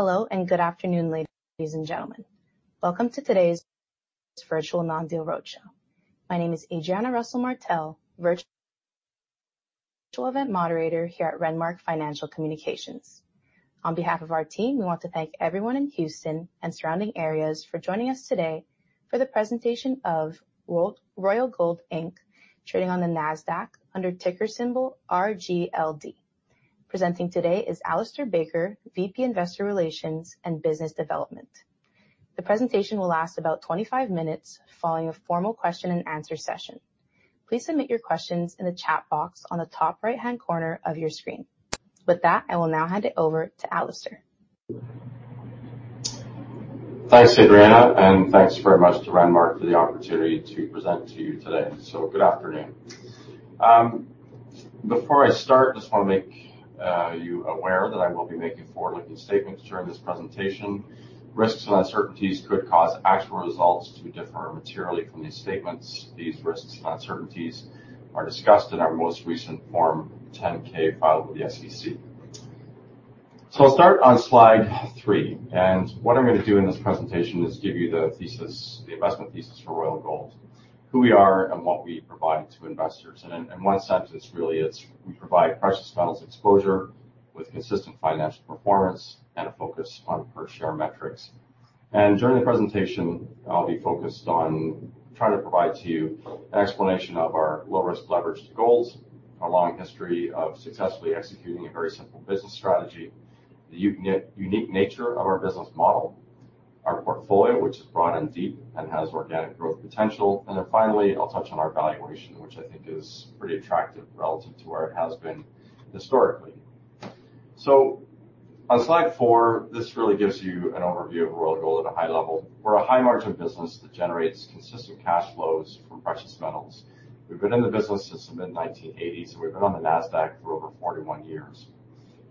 Hello and good afternoon, ladies and gentlemen. Welcome to today's virtual non-deal roadshow. My name is Adriana Russell Martell, virtual event moderator here at Renmark Financial Communications. On behalf of our team, we want to thank everyone in Houston and surrounding areas for joining us today for the presentation of Royal Gold Inc., trading on the Nasdaq under ticker symbol RGLD. Presenting today is Alistair Baker, VP Investor Relations and Business Development. The presentation will last about 25 minutes, following a formal question-and-answer session. Please submit your questions in the chat box on the top right-hand corner of your screen. With that, I will now hand it over to Alistair. Thanks, Adriana, and thanks very much to Renmark for the opportunity to present to you today. Good afternoon. Before I start, I just want to make you aware that I will be making forward-looking statements during this presentation. Risks and uncertainties could cause actual results to differ materially from these statements. These risks and uncertainties are discussed in our most recent form 10-K, filed with the SEC. I'll start on slide three. What I'm going to do in this presentation is give you the thesis, the investment thesis for Royal Gold, who we are and what we provide to investors. In one sentence, really, it's we provide precious metals exposure with consistent financial performance and a focus on per-share metrics. During the presentation, I'll be focused on trying to provide to you an explanation of our low-risk leveraged goals, our long history of successfully executing a very simple business strategy, the unique nature of our business model, our portfolio, which is broad and deep and has organic growth potential. Then finally, I'll touch on our valuation, which I think is pretty attractive relative to where it has been historically. On slide four, this really gives you an overview of Royal Gold at a high level. We're a high-margin business that generates consistent cash flows from precious metals. We've been in the business since the mid-1980s, and we've been on the Nasdaq for over 41 years.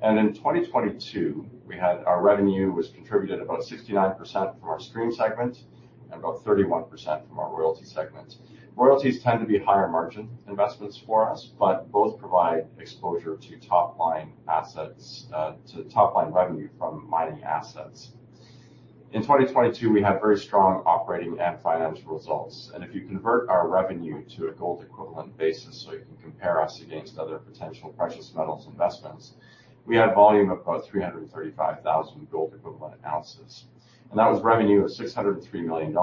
In 2022, our revenue was contributed about 69% from our stream segment and about 31% from our royalty segment. Royalties tend to be higher margin investments for us, but both provide exposure to top-line assets, to top-line revenue from mining assets. In 2022, we had very strong operating and financial results, and if you convert our revenue to a gold equivalent basis, so you can compare us against other potential precious metals investments, we had volume of about 335,000 gold equivalent ounces, and that was revenue of $603 million,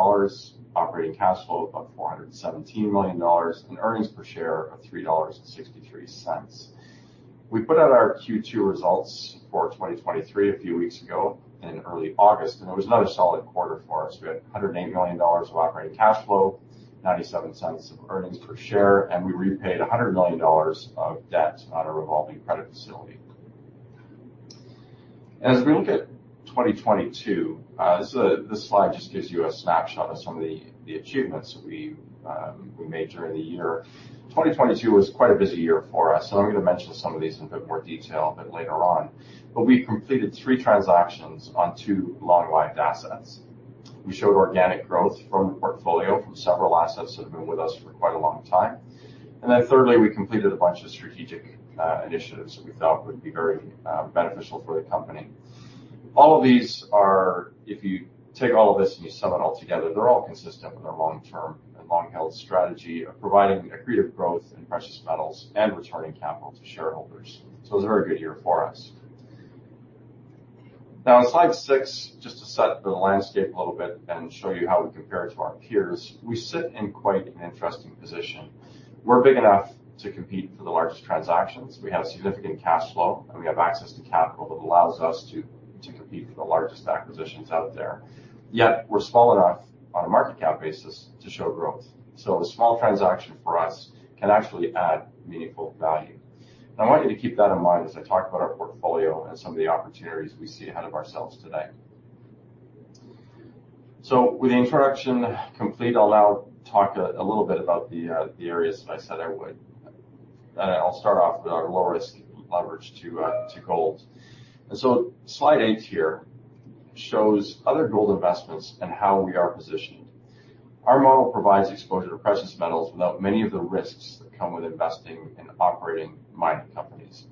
operating cash flow of about $417 million, and earnings per share of $3.63. We put out our Q2 results for 2023 a few weeks ago in early August, and it was another solid quarter for us. We had $108 million of operating cash flow, $0.97 of earnings per share, and we repaid $100 million of debt on a revolving credit facility. As we look at 2022, this slide just gives you a snapshot of some of the achievements that we made during the year. 2022 was quite a busy year for us, and I'm going to mention some of these in a bit more detail a bit later on. But we completed three transactions on two long-lived assets. We showed organic growth from the portfolio from several assets that have been with us for quite a long time. And then thirdly, we completed a bunch of strategic initiatives that we felt would be very beneficial for the company. All of these are, if you take all of this and you sum it all together, they're all consistent with our long-term and long-held strategy of providing accretive growth in precious metals and returning capital to shareholders. So, it was a very good year for us. Now, on slide six, just to set the landscape a little bit and show you how we compare to our peers, we sit in quite an interesting position. We're big enough to compete for the largest transactions. We have significant cash flow, and we have access to capital that allows us to compete for the largest acquisitions out there. Yet, we're small enough on a market cap basis to show growth, so a small transaction for us can actually add meaningful value, and I want you to keep that in mind as I talk about our portfolio and some of the opportunities we see ahead of ourselves today, so with the introduction complete, I'll now talk a little bit about the areas that I said I would, and I'll start off with our low-risk leveraged to gold. And so, slide eight here shows other gold investments and how we are positioned. Our model provides exposure to precious metals without many of the risks that come with investing in operating mining companies.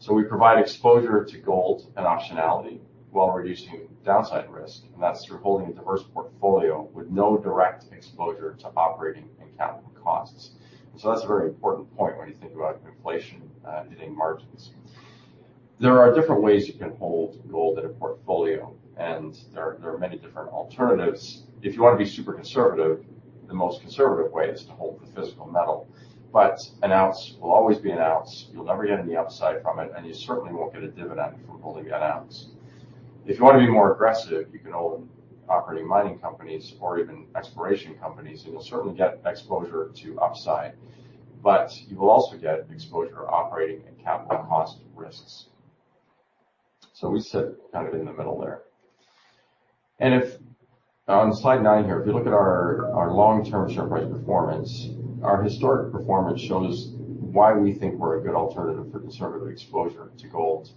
So, we provide exposure to gold and optionality while reducing downside risk. And that's through holding a diverse portfolio with no direct exposure to operating and capital costs. So, that's a very important point when you think about inflation hitting margins. There are different ways you can hold gold in a portfolio, and there are many different alternatives. If you want to be super conservative, the most conservative way is to hold the physical metal. But an ounce will always be an ounce. You'll never get any upside from it, and you certainly won't get a dividend from holding an ounce. If you want to be more aggressive, you can hold operating mining companies or even exploration companies, and you'll certainly get exposure to upside, but you will also get exposure to operating and capital cost risks, so we sit kind of in the middle there. And on slide nine here, if you look at our long-term share price performance, our historic performance shows why we think we're a good alternative for conservative exposure to gold.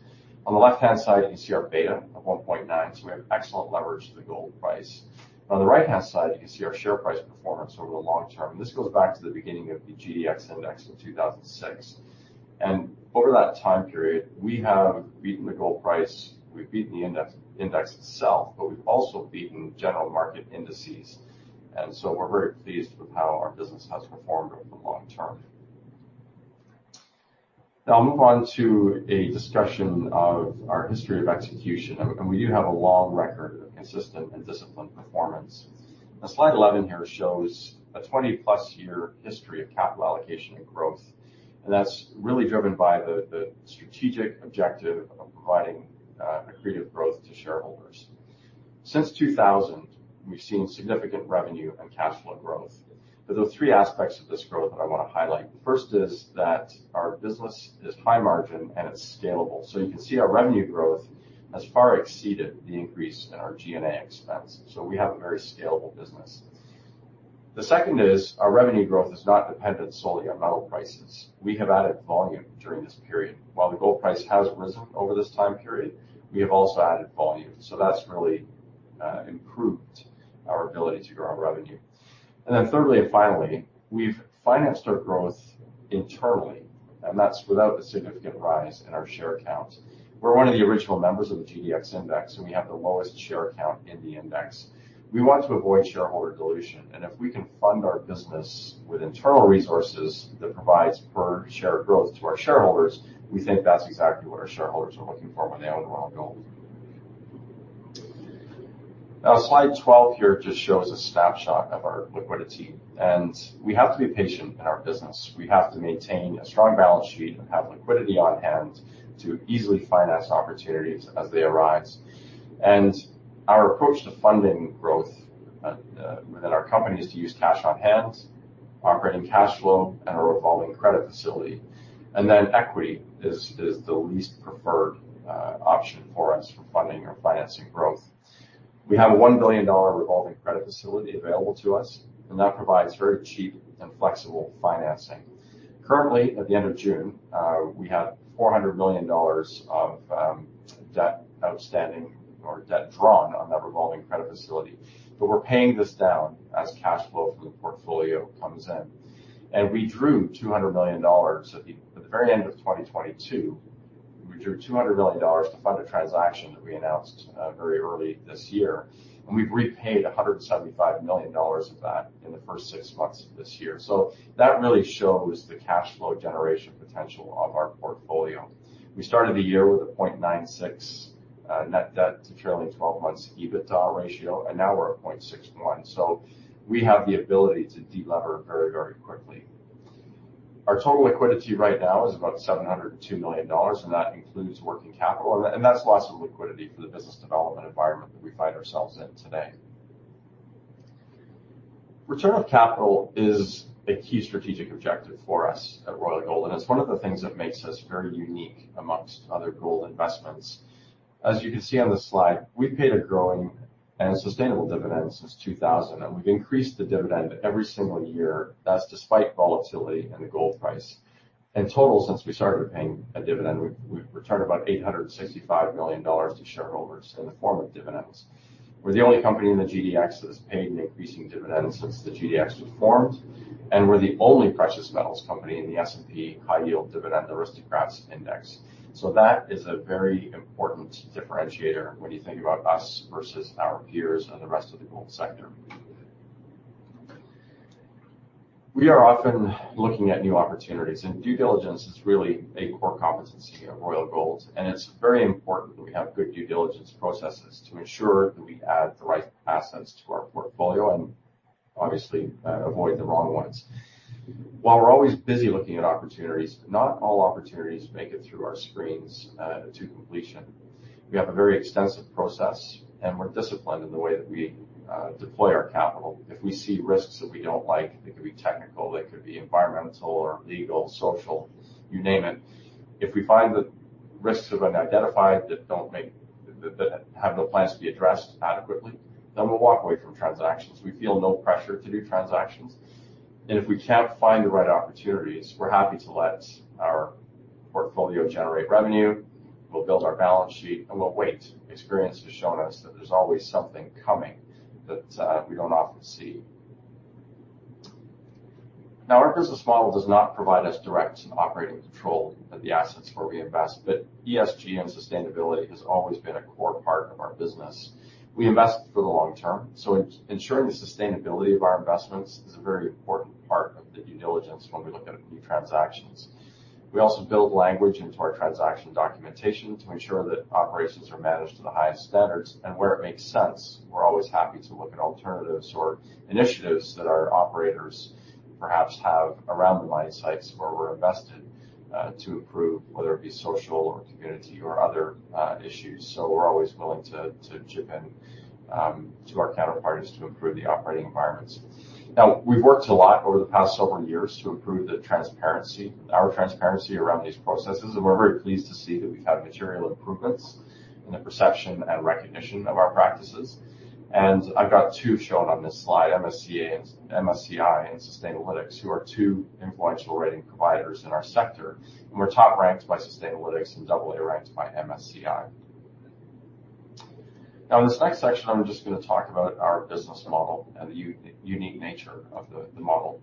On the left-hand side, you can see our beta of 1.9, so we have excellent leverage to the gold price. On the right-hand side, you can see our share price performance over the long term. And this goes back to the beginning of the GDX index in 2006. And over that time period, we have beaten the gold price. We've beaten the index itself, but we've also beaten general market indices. And so, we're very pleased with how our business has performed over the long term. Now, I'll move on to a discussion of our history of execution. And we do have a long record of consistent and disciplined performance. And slide 11 here shows a 20-plus year history of capital allocation and growth. And that's really driven by the strategic objective of providing accretive growth to shareholders. Since 2000, we've seen significant revenue and cash flow growth. But there are three aspects of this growth that I want to highlight. The first is that our business is high margin and it's scalable. So, you can see our revenue growth has far exceeded the increase in our G&A expense. So, we have a very scalable business. The second is our revenue growth is not dependent solely on metal prices. We have added volume during this period. While the gold price has risen over this time period, we have also added volume. So, that's really improved our ability to grow our revenue. And then thirdly and finally, we've financed our growth internally, and that's without a significant rise in our share count. We're one of the original members of the GDX index, and we have the lowest share count in the index. We want to avoid shareholder dilution. And if we can fund our business with internal resources that provide per-share growth to our shareholders, we think that's exactly what our shareholders are looking for when they own Royal Gold. Now, slide 12 here just shows a snapshot of our liquidity. And we have to be patient in our business. We have to maintain a strong balance sheet and have liquidity on hand to easily finance opportunities as they arise. Our approach to funding growth within our company is to use cash on hand, operating cash flow, and a revolving credit facility. Equity is the least preferred option for us for funding or financing growth. We have a $1 billion revolving credit facility available to us, and that provides very cheap and flexible financing. Currently, at the end of June, we have $400 million of debt outstanding or debt drawn on that revolving credit facility. We are paying this down as cash flow from the portfolio comes in. We drew $200 million at the very end of 2022 to fund a transaction that we announced very early this year. We have repaid $175 million of that in the first six months of this year. That really shows the cash flow generation potential of our portfolio. We started the year with a 0.96 net debt to trailing 12-month EBITDA ratio, and now we're at 0.61. So, we have the ability to delever very, very quickly. Our total liquidity right now is about $702 million, and that includes working capital. And that's lots of liquidity for the business development environment that we find ourselves in today. Return of capital is a key strategic objective for us at Royal Gold, and it's one of the things that makes us very unique amongst other gold investments. As you can see on this slide, we've paid a growing and sustainable dividend since 2000, and we've increased the dividend every single year. That's despite volatility in the gold price. In total, since we started paying a dividend, we've returned about $865 million to shareholders in the form of dividends. We're the only company in the GDX that has paid an increasing dividend since the GDX was formed, and we're the only precious metals company in the S&P High Yield Dividend Aristocrats Index, so that is a very important differentiator when you think about us versus our peers and the rest of the gold sector. We are often looking at new opportunities, and due diligence is really a core competency of Royal Gold, and it's very important that we have good due diligence processes to ensure that we add the right assets to our portfolio and obviously avoid the wrong ones. While we're always busy looking at opportunities, not all opportunities make it through our screens to completion. We have a very extensive process, and we're disciplined in the way that we deploy our capital. If we see risks that we don't like, they could be technical, they could be environmental or legal, social, you name it. If we find that risks have been identified that don't have no plans to be addressed adequately, then we'll walk away from transactions. We feel no pressure to do transactions, and if we can't find the right opportunities, we're happy to let our portfolio generate revenue. We'll build our balance sheet, and we'll wait. Experience has shown us that there's always something coming that we don't often see. Now, our business model does not provide us direct operating control of the assets where we invest, but ESG and sustainability has always been a core part of our business. We invest for the long term, so ensuring the sustainability of our investments is a very important part of the due diligence when we look at new transactions. We also build language into our transaction documentation to ensure that operations are managed to the highest standards, and where it makes sense, we're always happy to look at alternatives or initiatives that our operators perhaps have around the mine sites where we're invested to improve, whether it be social or community or other issues, so we're always willing to chip in to our counterparties to improve the operating environments. Now, we've worked a lot over the past several years to improve the transparency, our transparency around these processes, and we're very pleased to see that we've had material improvements in the perception and recognition of our practices, and I've got two shown on this slide, MSCI and Sustainalytics, who are two influential rating providers in our sector, and we're top-ranked by Sustainalytics and double-A-ranked by MSCI. Now, in this next section, I'm just going to talk about our business model and the unique nature of the model.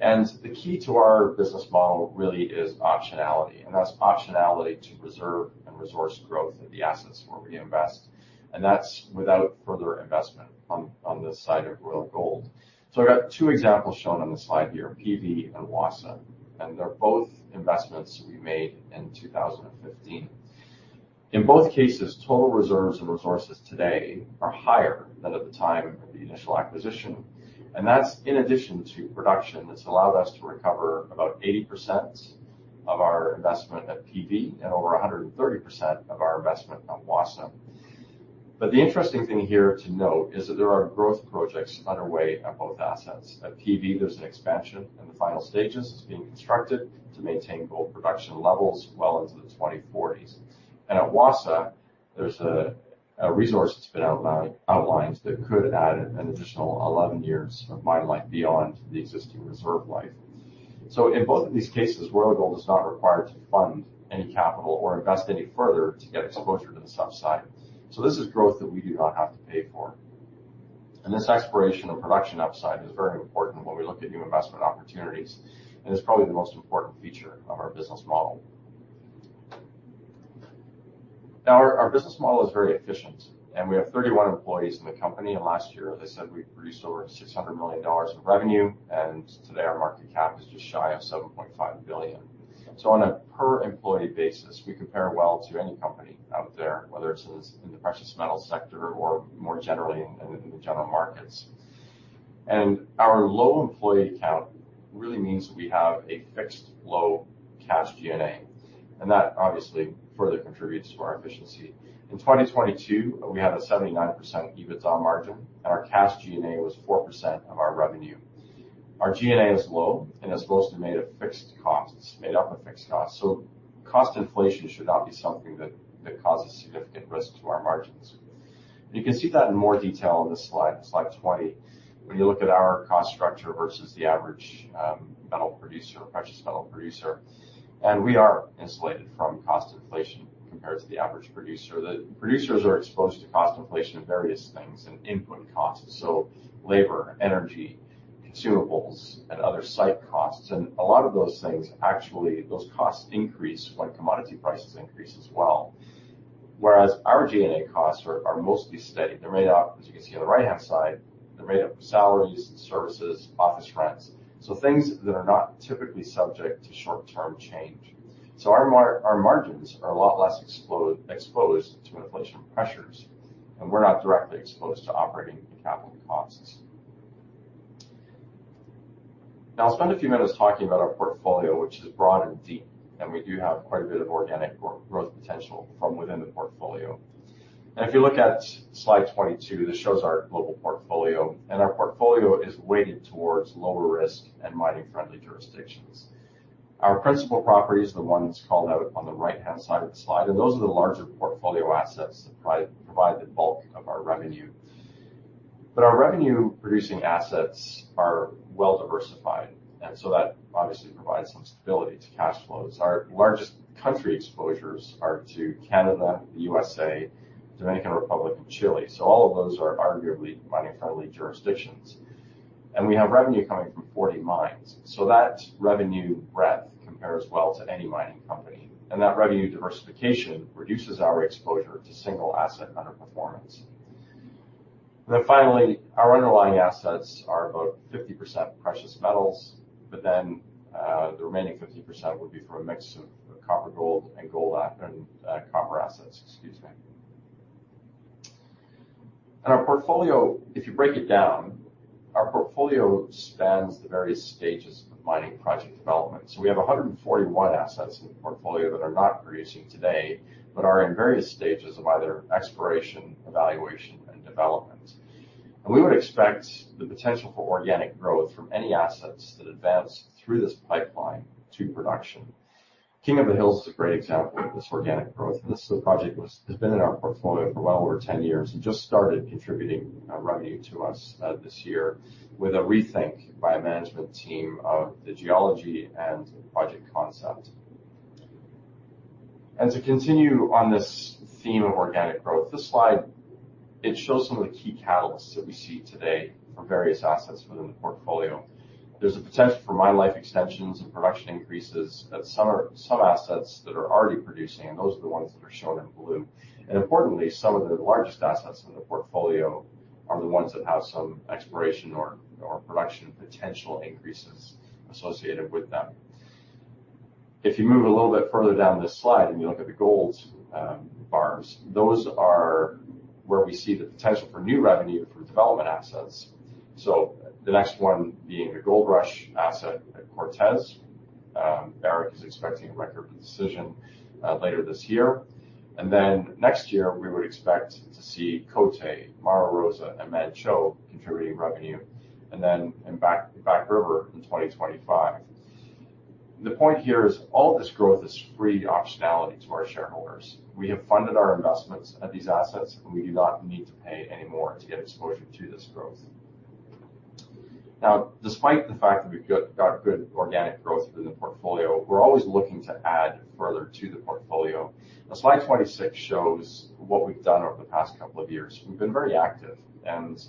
And the key to our business model really is optionality. And that's optionality to preserve and resource growth of the assets where we invest. And that's without further investment on this side of Royal Gold. So, I've got two examples shown on the slide here, PV and WASA. And they're both investments we made in 2015. In both cases, total reserves and resources today are higher than at the time of the initial acquisition. And that's in addition to production that's allowed us to recover about 80% of our investment at PV and over 130% of our investment at WASA. But the interesting thing here to note is that there are growth projects underway at both assets. At PV, there's an expansion in the final stages that's being constructed to maintain gold production levels well into the 2040s, and at WASA, there's a resource that's been outlined that could add an additional 11 years of mine life beyond the existing reserve life, so in both of these cases, Royal Gold is not required to fund any capital or invest any further to get exposure to the upside, so this is growth that we do not have to pay for, and this exploration of production upside is very important when we look at new investment opportunities, and it's probably the most important feature of our business model. Now, our business model is very efficient, and we have 31 employees in the company, and last year, as I said, we produced over $600 million in revenue, and today, our market cap is just shy of $7.5 billion. On a per-employee basis, we compare well to any company out there, whether it's in the precious metals sector or more generally in the general markets. Our low employee count really means that we have a fixed low cash G&A. That obviously further contributes to our efficiency. In 2022, we had a 79% EBITDA margin, and our cash G&A was 4% of our revenue. Our G&A is low, and it's mostly made of fixed costs, made up of fixed costs. Cost inflation should not be something that causes significant risk to our margins. You can see that in more detail on this slide, slide 20, when you look at our cost structure versus the average metal producer, precious metal producer. We are insulated from cost inflation compared to the average producer. The producers are exposed to cost inflation of various things and input costs. So, labor, energy, consumables, and other site costs. And a lot of those things, actually, those costs increase when commodity prices increase as well. Whereas our G&A costs are mostly steady. They're made up, as you can see on the right-hand side, they're made up of salaries, services, office rents. So, things that are not typically subject to short-term change. So, our margins are a lot less exposed to inflation pressures. And we're not directly exposed to operating capital costs. Now, I'll spend a few minutes talking about our portfolio, which is broad and deep. And we do have quite a bit of organic growth potential from within the portfolio. And if you look at slide 22, this shows our global portfolio. And our portfolio is weighted towards lower risk and mining-friendly jurisdictions. Our principal properties are the ones called out on the right-hand side of the slide. Those are the larger portfolio assets that provide the bulk of our revenue. But our revenue-producing assets are well-diversified. And so, that obviously provides some stability to cash flows. Our largest country exposures are to Canada, the U.S.A., Dominican Republic, and Chile. So, all of those are arguably mining-friendly jurisdictions. And we have revenue coming from 40 mines. So, that revenue breadth compares well to any mining company. And that revenue diversification reduces our exposure to single asset underperformance. And then finally, our underlying assets are about 50% precious metals, but then the remaining 50% would be from a mix of copper gold and gold and copper assets, excuse me. And our portfolio, if you break it down, our portfolio spans the various stages of mining project development. We have 141 assets in the portfolio that are not producing today, but are in various stages of either exploration, evaluation, and development. And we would expect the potential for organic growth from any assets that advance through this pipeline to production. King of the Hills is a great example of this organic growth. And this project has been in our portfolio for well over 10 years and just started contributing revenue to us this year with a rethink by a management team of the geology and project concept. And to continue on this theme of organic growth, this slide, it shows some of the key catalysts that we see today for various assets within the portfolio. There's a potential for mine life extensions and production increases at some assets that are already producing. And those are the ones that are shown in blue. Importantly, some of the largest assets in the portfolio are the ones that have some exploration or production potential increases associated with them. If you move a little bit further down this slide and you look at the gold bars, those are where we see the potential for new revenue from development assets. The next one being the Goldrush asset at Cortez. Barrick is expecting a record decision later this year. Then next year, we would expect to see Côté, Mara Rosa, and Manh Choh contributing revenue, and then in Back River in 2025. The point here is all this growth is free optionality to our shareholders. We have funded our investments at these assets, and we do not need to pay any more to get exposure to this growth. Now, despite the fact that we've got good organic growth within the portfolio, we're always looking to add further to the portfolio. Now, slide 26 shows what we've done over the past couple of years. We've been very active, and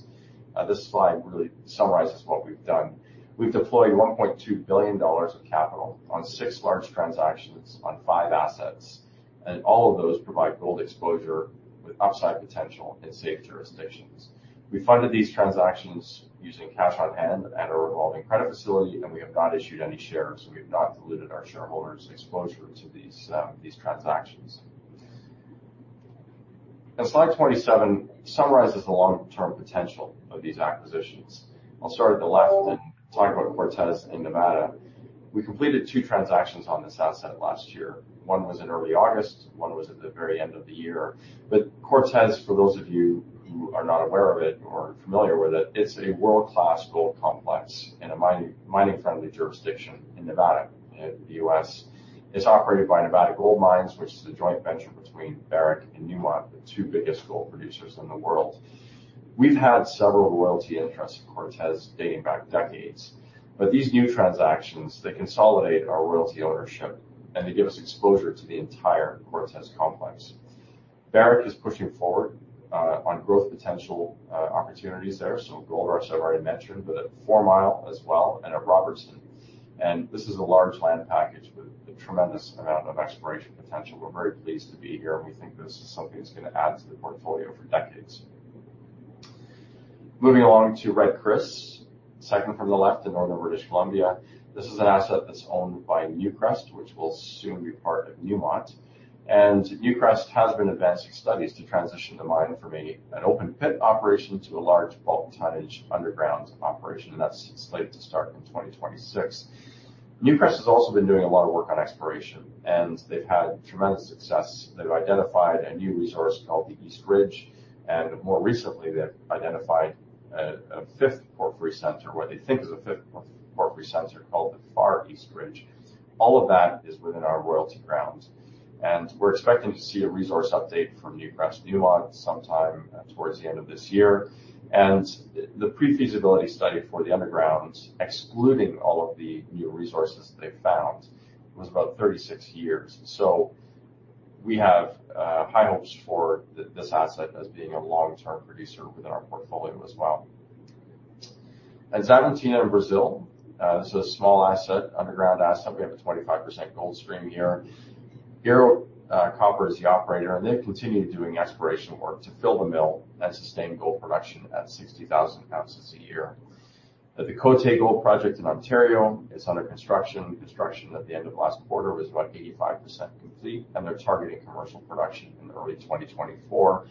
this slide really summarizes what we've done. We've deployed $1.2 billion of capital on six large transactions on five assets, and all of those provide gold exposure with upside potential in safe jurisdictions. We funded these transactions using cash on hand at our revolving credit facility, and we have not issued any shares. We have not diluted our shareholders' exposure to these transactions, and slide 27 summarizes the long-term potential of these acquisitions. I'll start at the left and talk about Cortez in Nevada. We completed two transactions on this asset last year. One was in early August. One was at the very end of the year. But Cortez, for those of you who are not aware of it or familiar with it, it's a world-class gold complex in a mining-friendly jurisdiction in Nevada, the U.S. It's operated by Nevada Gold Mines, which is a joint venture between Barrick and Newmont, the two biggest gold producers in the world. We've had several royalty interests in Cortez dating back decades. But these new transactions, they consolidate our royalty ownership, and they give us exposure to the entire Cortez complex. Barrick is pushing forward on growth potential opportunities there. So, Gold Rush I've already mentioned, but at Four Mile as well and at Robertson. And this is a large land package with a tremendous amount of exploration potential. We're very pleased to be here. And we think this is something that's going to add to the portfolio for decades. Moving along to Red Chris, second from the left in Northern British Columbia. This is an asset that's owned by Newcrest, which will soon be part of Newmont. Newcrest has been advancing studies to transition the mine from an open pit operation to a large bulk tonnage underground operation. That's slated to start in 2026. Newcrest has also been doing a lot of work on exploration. They've had tremendous success. They've identified a new resource called the East Ridge. More recently, they've identified a fifth porphyry center called the Far East Ridge. All of that is within our royalty grounds. We're expecting to see a resource update from Newcrest Newmont sometime towards the end of this year. The pre-feasibility study for the underground, excluding all of the new resources that they've found, was about 36 years. We have high hopes for this asset as being a long-term producer within our portfolio as well. Zamantina in Brazil, this is a small asset, underground asset. We have a 25% gold stream here. Aerocopper is the operator. They've continued doing exploration work to fill the mill and sustain gold production at 60,000 ounces a year. The Côté Gold Project in Ontario is under construction. Construction at the end of last quarter was about 85% complete. They're targeting commercial production in early 2024.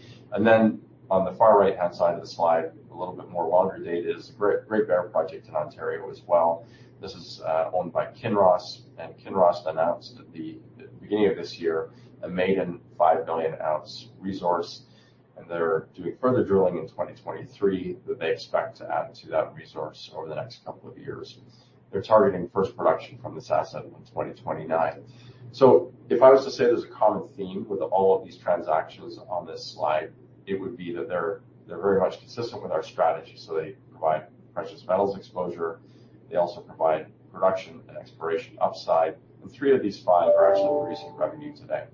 On the far right-hand side of the slide, a little bit more longer date is Great Bear Project in Ontario as well. This is owned by Kinross. Kinross announced at the beginning of this year a maiden 5 million-ounce resource. They're doing further drilling in 2023 that they expect to add to that resource over the next couple of years. They're targeting first production from this asset in 2029. If I was to say there's a common theme with all of these transactions on this slide, it would be that they're very much consistent with our strategy. They provide precious metals exposure. They also provide production and exploration upside. Three of these five are actually producing revenue today.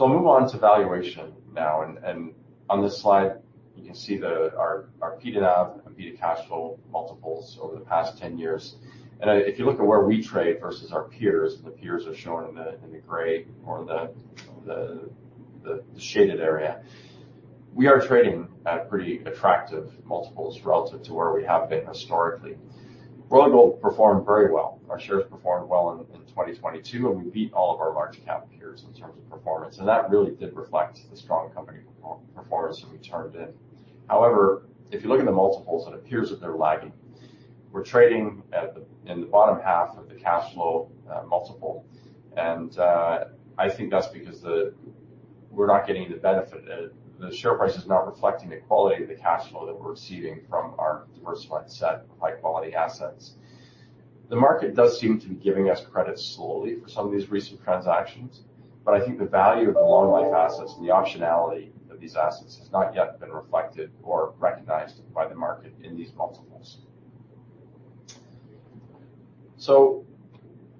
I'll move on to valuation now. On this slide, you can see our P/NAV and P/CF multiples over the past 10 years. If you look at where we trade versus our peers, and the peers are shown in the gray or the shaded area, we are trading at pretty attractive multiples relative to where we have been historically. Royal Gold performed very well. Our shares performed well in 2022. We beat all of our large cap peers in terms of performance. That really did reflect the strong company performance that we turned in. However, if you look at the multiples, it appears that they're lagging. We're trading in the bottom half of the cash flow multiple. I think that's because we're not getting the benefit. The share price is not reflecting the quality of the cash flow that we're receiving from our diversified set of high-quality assets. The market does seem to be giving us credit slowly for some of these recent transactions. I think the value of the long-life assets and the optionality of these assets has not yet been reflected or recognized by the market in these multiples.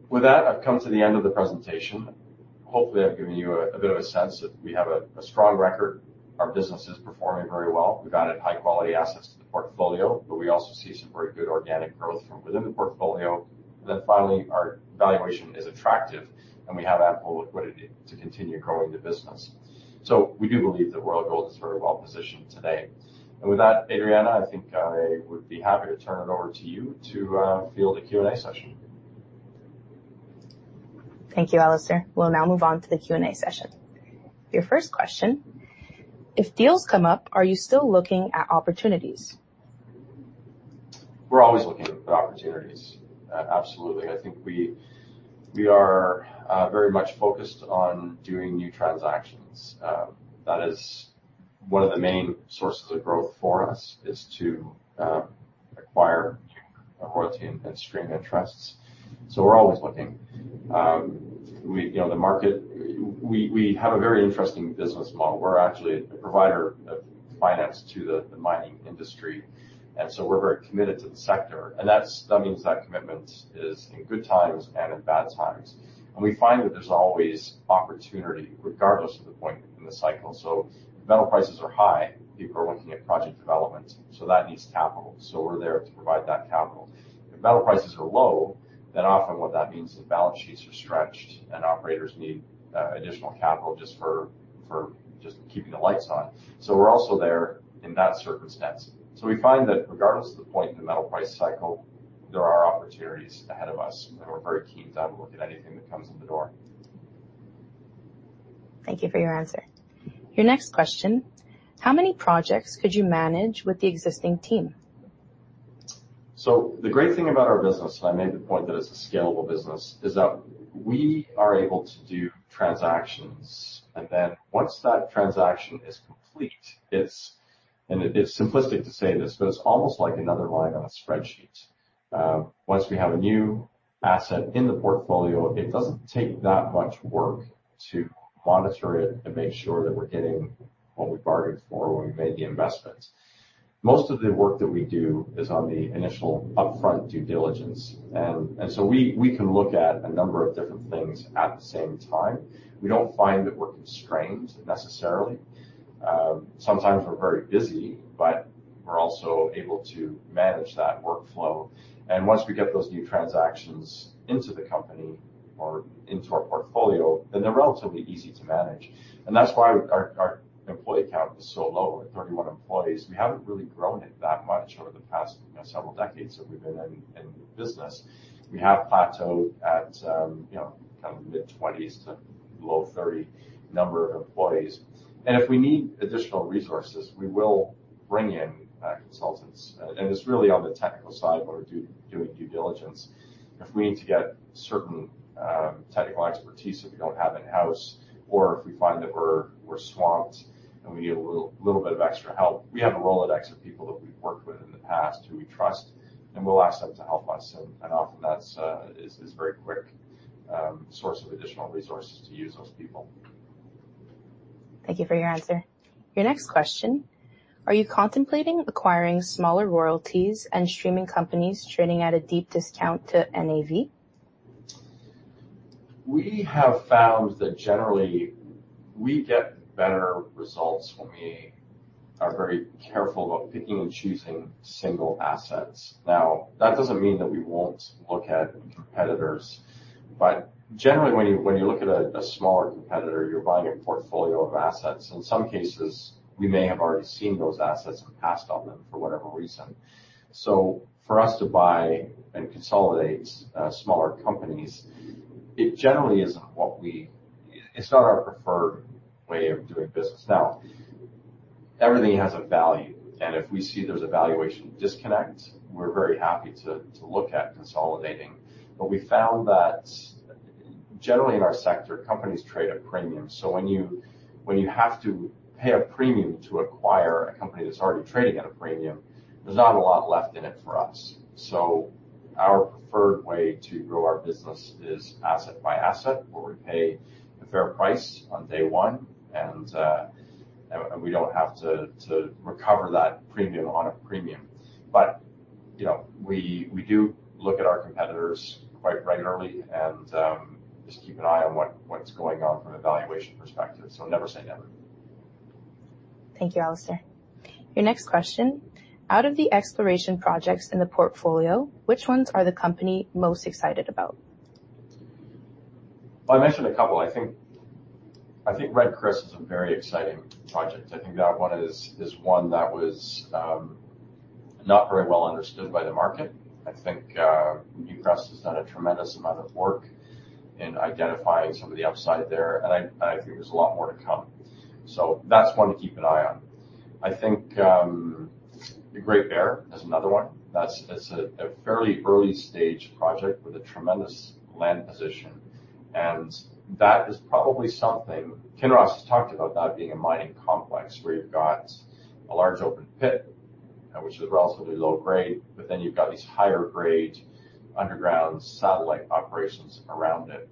With that, I've come to the end of the presentation. Hopefully, I've given you a bit of a sense that we have a strong record. Our business is performing very well. We've added high-quality assets to the portfolio. But we also see some very good organic growth from within the portfolio. And then finally, our valuation is attractive. And we have ample liquidity to continue growing the business. So, we do believe that Royal Gold is very well positioned today. And with that, Adriana, I think I would be happy to turn it over to you to field a Q&A session. Thank you, Alistair. We'll now move on to the Q&A session. Your first question, if deals come up, are you still looking at opportunities? We're always looking at opportunities. Absolutely. I think we are very much focused on doing new transactions. That is one of the main sources of growth for us is to acquire royalty and stream interests. So, we're always looking. The market, we have a very interesting business model. We're actually a provider of finance to the mining industry. And so, we're very committed to the sector. And that means that commitment is in good times and in bad times. And we find that there's always opportunity regardless of the point in the cycle. So, if metal prices are high, people are looking at project development. So, that needs capital. So, we're there to provide that capital. If metal prices are low, then often what that means is balance sheets are stretched and operators need additional capital just for keeping the lights on. So, we're also there in that circumstance. So, we find that regardless of the point in the metal price cycle, there are opportunities ahead of us. And we're very keen to have a look at anything that comes in the door. Thank you for your answer. Your next question, how many projects could you manage with the existing team? So, the great thing about our business, and I made the point that it's a scalable business, is that we are able to do transactions. And then once that transaction is complete, it's simplistic to say this, but it's almost like another line on a spreadsheet. Once we have a new asset in the portfolio, it doesn't take that much work to monitor it and make sure that we're getting what we bargained for when we made the investment. Most of the work that we do is on the initial upfront due diligence. And so, we can look at a number of different things at the same time. We don't find that we're constrained necessarily. Sometimes we're very busy, but we're also able to manage that workflow. Once we get those new transactions into the company or into our portfolio, then they're relatively easy to manage. That's why our employee count is so low at 31 employees. We haven't really grown it that much over the past several decades that we've been in business. We have plateaued at kind of mid-20s to low 30 number of employees. If we need additional resources, we will bring in consultants. It's really on the technical side when we're doing due diligence. If we need to get certain technical expertise that we don't have in-house, or if we find that we're swamped and we need a little bit of extra help, we have a Rolodex of people that we've worked with in the past who we trust. We'll ask them to help us. And often that is a very quick source of additional resources to use those people. Thank you for your answer. Your next question, are you contemplating acquiring smaller royalties and streaming companies trading at a deep discount to NAV? We have found that generally we get better results when we are very careful about picking and choosing single assets. Now, that doesn't mean that we won't look at competitors. But generally, when you look at a smaller competitor, you're buying a portfolio of assets. In some cases, we may have already seen those assets and passed on them for whatever reason. So, for us to buy and consolidate smaller companies, it generally isn't what we it's not our preferred way of doing business. Now, everything has a value. And if we see there's a valuation disconnect, we're very happy to look at consolidating. But we found that generally in our sector, companies trade at premium. So, when you have to pay a premium to acquire a company that's already trading at a premium, there's not a lot left in it for us. So, our preferred way to grow our business is asset by asset, where we pay a fair price on day one. And we don't have to recover that premium on a premium. But we do look at our competitors quite regularly and just keep an eye on what's going on from a valuation perspective. So, never say never. Thank you, Alistair. Your next question, out of the exploration projects in the portfolio, which ones is the company most excited about? Well, I mentioned a couple. I think Red Chris is a very exciting project. I think that one is one that was not very well understood by the market. I think Newcrest has done a tremendous amount of work in identifying some of the upside there, and I think there's a lot more to come, so that's one to keep an eye on. I think the Great Bear is another one. That's a fairly early stage project with a tremendous land position, and that is probably something Kinross has talked about not being a mining complex where you've got a large open pit, which is relatively low grade, but then you've got these higher grade underground satellite operations around it,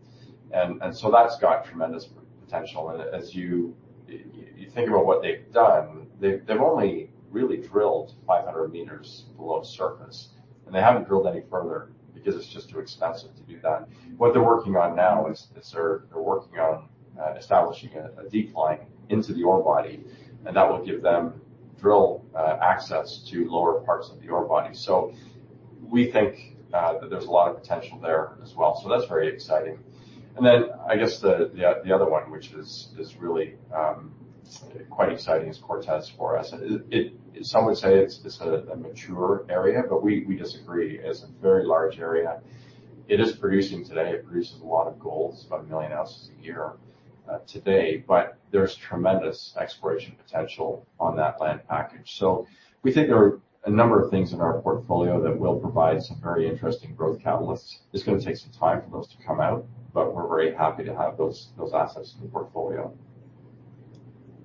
and so that's got tremendous potential. And as you think about what they've done, they've only really drilled 500 meters below surface, and they haven't drilled any further because it's just too expensive to do that. What they're working on now is they're working on establishing a deep line into the ore body. And that will give them drill access to lower parts of the ore body. So, we think that there's a lot of potential there as well. So, that's very exciting. And then I guess the other one, which is really quite exciting, is Cortez. For us, some would say it's a mature area, but we disagree. It's a very large area. It is producing today. It produces a lot of gold, about a million ounces a year today. But there's tremendous exploration potential on that land package. So, we think there are a number of things in our portfolio that will provide some very interesting growth catalysts. It's going to take some time for those to come out. But we're very happy to have those assets in the portfolio.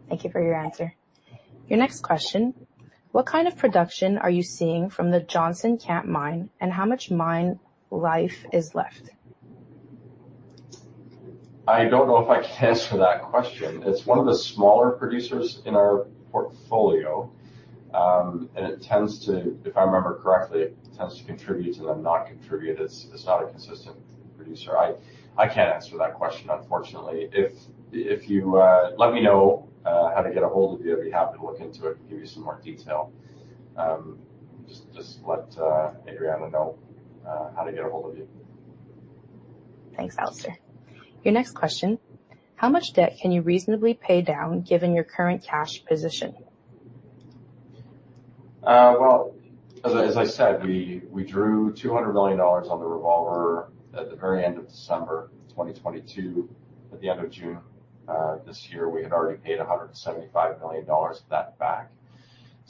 Thank you for your answer. Your next question, what kind of production are you seeing from the Johnson Camp Mine and how much mine life is left? I don't know if I can answer that question. It's one of the smaller producers in our portfolio and it tends to, if I remember correctly, it tends to contribute and then not contribute. It's not a consistent producer. I can't answer that question, unfortunately. If you let me know how to get a hold of you, I'd be happy to look into it and give you some more detail. Just let Adriana know how to get a hold of you. Thanks, Alistair. Your next question, how much debt can you reasonably pay down given your current cash position? Well, as I said, we drew $200 million on the revolver at the very end of December 2022. At the end of June this year, we had already paid $175 million of that back.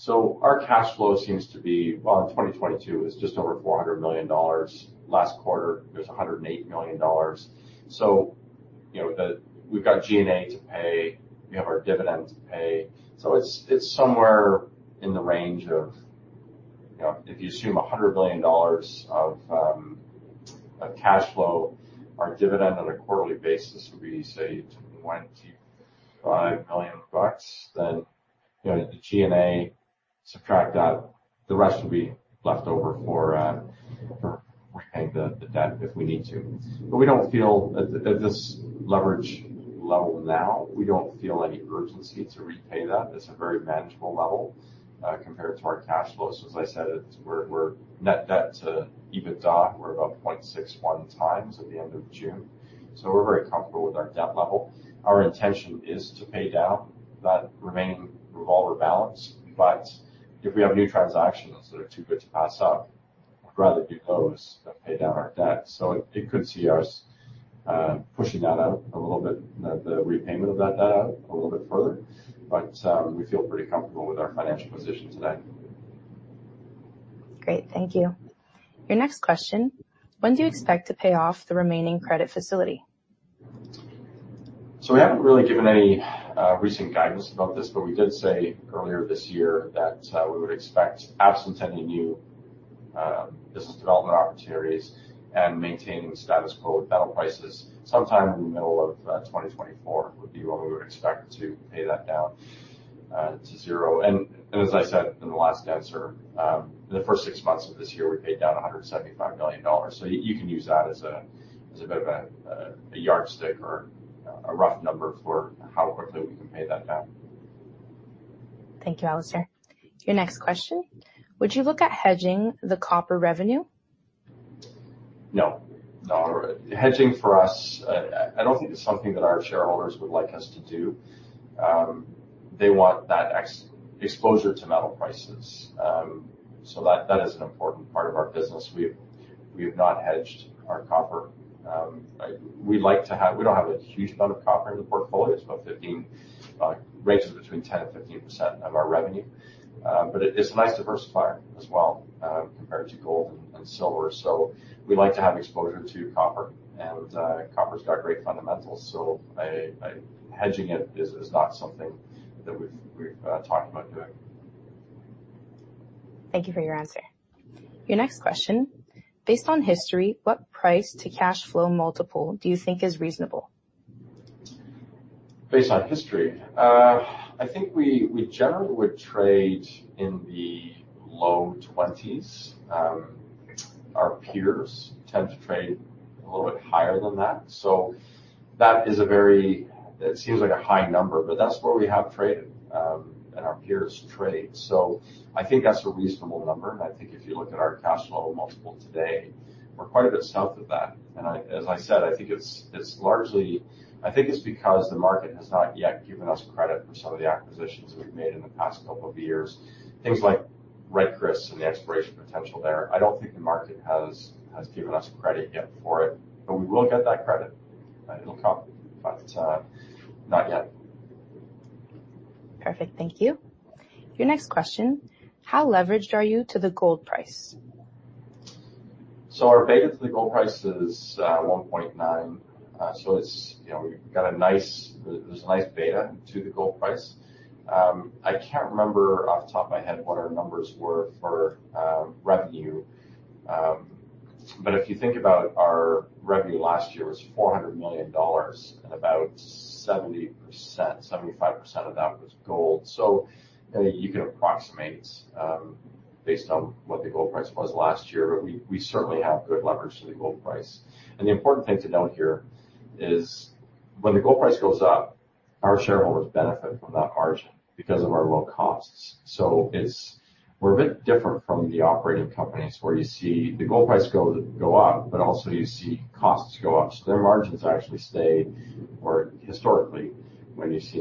Our cash flow seems to be, well, in 2022, it was just over $400 million. Last quarter, it was $108 million. We've got G&A to pay. We have our dividend to pay. It's somewhere in the range of, if you assume $100 million of cash flow, our dividend on a quarterly basis would be, say, $25 million bucks. Then the G&A subtract that, the rest would be left over for repaying the debt if we need to. We don't feel, at this leverage level now, we don't feel any urgency to repay that. It's a very manageable level compared to our cash flow. As I said, we're net debt to EBITDA, we're about 0.61 times at the end of June. We're very comfortable with our debt level. Our intention is to pay down that remaining revolver balance. But if we have new transactions that are too good to pass up, we'd rather do those than pay down our debt. So, it could see us pushing that out a little bit, the repayment of that debt out a little bit further. But we feel pretty comfortable with our financial position today. Great. Thank you. Your next question, when do you expect to pay off the remaining credit facility? So, we haven't really given any recent guidance about this. But we did say earlier this year that we would expect, absent any new business development opportunities and maintaining status quo with metal prices, sometime in the middle of 2024 would be when we would expect to pay that down to zero. As I said in the last answer, in the first six months of this year, we paid down $175 million. So, you can use that as a bit of a yardstick or a rough number for how quickly we can pay that down. Thank you, Alistair. Your next question, would you look at hedging the copper revenue? No. No. Hedging for us, I don't think it's something that our shareholders would like us to do. They want that exposure to metal prices. So, that is an important part of our business. We have not hedged our copper. We like to have, we don't have a huge amount of copper in the portfolio. It's about 15%, ranges between 10% and 15% of our revenue. But it's a nice diversifier as well compared to gold and silver. So, we like to have exposure to copper. And copper's got great fundamentals. Hedging it is not something that we've talked about doing. Thank you for your answer. Your next question: based on history, what price to cash flow multiple do you think is reasonable? Based on history, I think we generally would trade in the low 20s. Our peers tend to trade a little bit higher than that. That is very. It seems like a high number, but that's where we have traded and our peers trade. I think that's a reasonable number. I think if you look at our cash flow multiple today, we're quite a bit south of that. As I said, I think it's largely. I think it's because the market has not yet given us credit for some of the acquisitions we've made in the past couple of years. Things like Red Chris and the exploration potential there, I don't think the market has given us credit yet for it. But we will get that credit. It'll come. But not yet. Perfect. Thank you. Your next question, how leveraged are you to the gold price? So, our beta to the gold price is 1.9. So, we've got a nice, there's a nice beta to the gold price. I can't remember off the top of my head what our numbers were for revenue. But if you think about our revenue last year, it was $400 million and about 70%-75% of that was gold. So, you can approximate based on what the gold price was last year. But we certainly have good leverage to the gold price. The important thing to note here is when the gold price goes up, our shareholders benefit from that margin because of our low costs. So, we're a bit different from the operating companies where you see the gold price go up, but also you see costs go up. So, their margins actually stay, or historically, when you see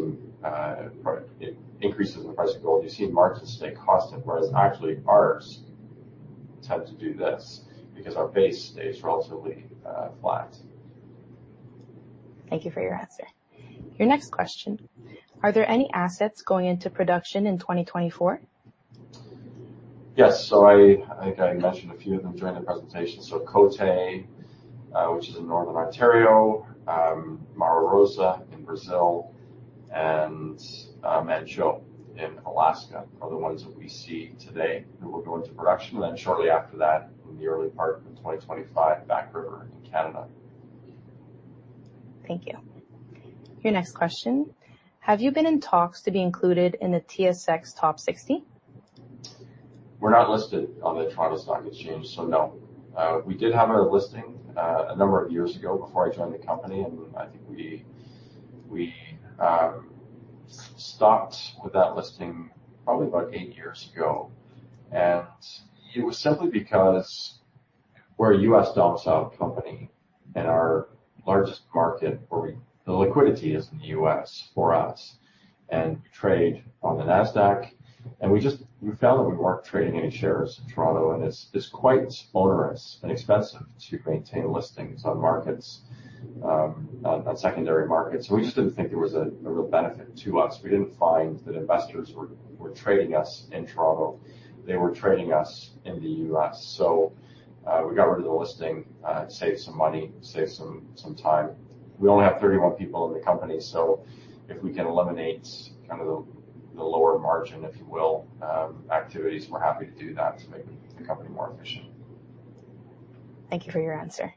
increases in the price of gold, you see margins stay constant. Whereas actually ours tend to do this because our base stays relatively flat. Thank you for your answer. Your next question, are there any assets going into production in 2024? Yes. So, I think I mentioned a few of them during the presentation. So, Côté, which is in Northern Ontario, Mara Rosa in Brazil, and Manh Choh in Alaska are the ones that we see today that will go into production. And then shortly after that, in the early part of 2025, Back River in Canada. Thank you. Your next question, have you been in talks to be included in the TSX Top 60? We're not listed on the Toronto Stock Exchange. So, no. We did have a listing a number of years ago before I joined the company. And I think we stopped with that listing probably about eight years ago. And it was simply because we're a U.S. domiciled company and our largest market, the liquidity is in the U.S. for us. And we trade on the Nasdaq. And we found that we weren't trading any shares in Toronto. And it's quite onerous and expensive to maintain listings on markets, on secondary markets. So, we just didn't think there was a real benefit to us. We didn't find that investors were trading us in Toronto. They were trading us in the U.S. So, we got rid of the listing, saved some money, saved some time. We only have 31 people in the company. So, if we can eliminate kind of the lower margin, if you will, activities, we're happy to do that to make the company more efficient. Thank you for your answer.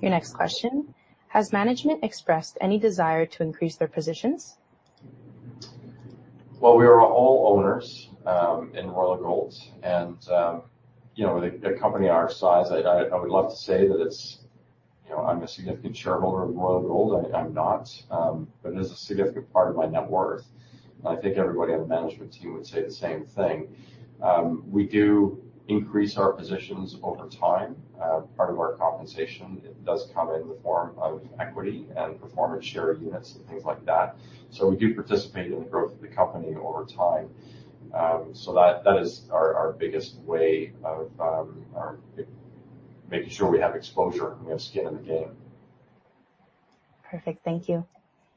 Your next question, has management expressed any desire to increase their positions? Well, we are all owners in Royal Gold. And with a company our size, I would love to say that I'm a significant shareholder of Royal Gold. I'm not. But it is a significant part of my net worth. And I think everybody on the management team would say the same thing. We do increase our positions over time. Part of our compensation does come in the form of equity and performance share units and things like that. We do participate in the growth of the company over time. That is our biggest way of making sure we have exposure and we have skin in the game. Perfect. Thank you.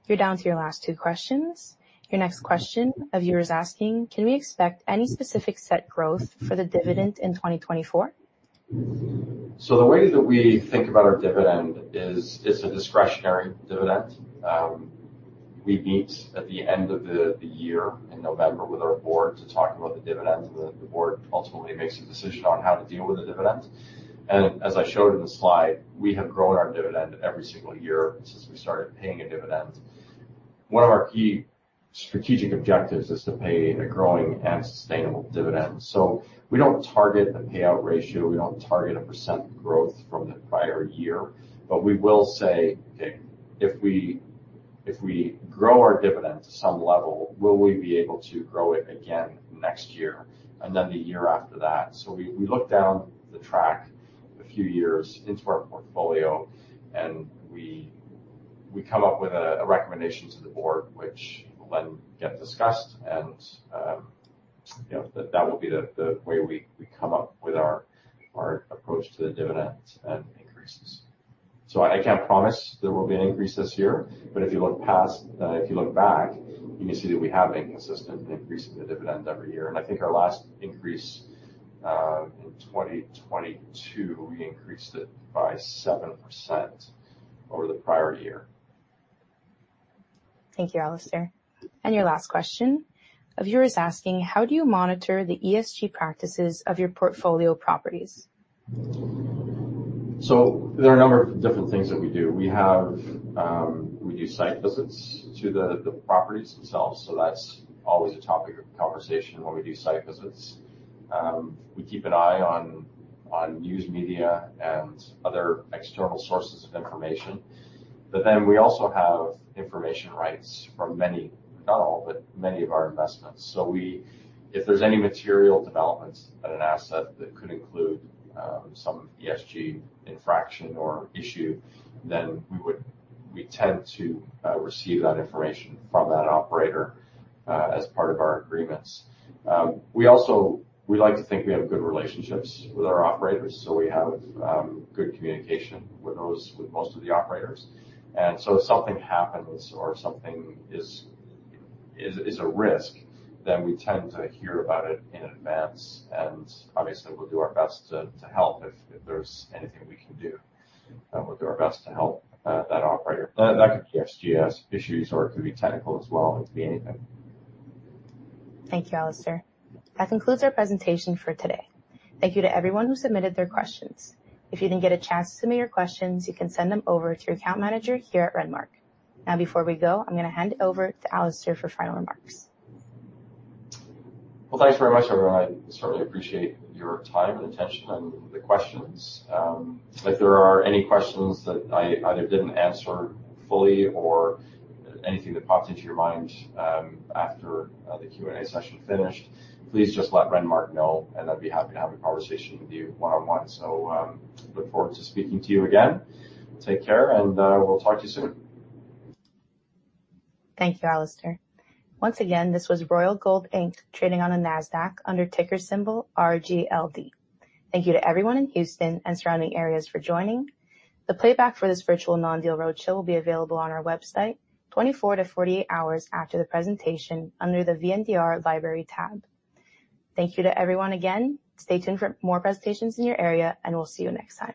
You're down to your last two questions. Your next question, a viewer is asking, can we expect any specific set growth for the dividend in 2024? The way that we think about our dividend is it's a discretionary dividend. We meet at the end of the year in November with our board to talk about the dividend. The board ultimately makes a decision on how to deal with the dividend. As I showed in the slide, we have grown our dividend every single year since we started paying a dividend. One of our key strategic objectives is to pay a growing and sustainable dividend. We don't target a payout ratio. We don't target a percent growth from the prior year. But we will say, if we grow our dividend to some level, will we be able to grow it again next year and then the year after that? So, we look down the track a few years into our portfolio. And we come up with a recommendation to the board, which will then get discussed. And that will be the way we come up with our approach to the dividend and increases. So, I can't promise there will be an increase this year. But if you look past, if you look back, you can see that we have been consistent in increasing the dividend every year. And I think our last increase in 2022, we increased it by 7% over the prior year. Thank you, Alistair. And your last question, a viewer is asking, how do you monitor the ESG practices of your portfolio properties? So, there are a number of different things that we do. We do site visits to the properties themselves. So, that's always a topic of conversation when we do site visits. We keep an eye on news media and other external sources of information. But then we also have information rights for many, not all, but many of our investments. So, if there's any material developments at an asset that could include some ESG infraction or issue, then we tend to receive that information from that operator as part of our agreements. We like to think we have good relationships with our operators. So, we have good communication with most of the operators. And so, if something happens or something is a risk, then we tend to hear about it in advance. And obviously, we'll do our best to help if there's anything we can do. We'll do our best to help that operator. That could be ESG issues or it could be technical as well. It could be anything. Thank you, Alistair. That concludes our presentation for today. Thank you to everyone who submitted their questions. If you didn't get a chance to submit your questions, you can send them over to your account manager here at Renmark. Now, before we go, I'm going to hand it over to Alistair for final remarks. Well, thanks very much, everyone. I certainly appreciate your time and attention and the questions. If there are any questions that I either didn't answer fully or anything that popped into your mind after the Q&A session finished, please just let Renmark know, and I'd be happy to have a conversation with you one-on-one, so look forward to speaking to you again. Take care and we'll talk to you soon. Thank you, Alistair. Once again, this was Royal Gold Inc., trading on the NASDAQ under ticker symbol RGLD. Thank you to everyone in Houston and surrounding areas for joining. The playback for this virtual non-deal roadshow will be available on our website 24 to 48 hours after the presentation under the VNDR Library tab. Thank you to everyone again. Stay tuned for more presentations in your area, and we'll see you next time.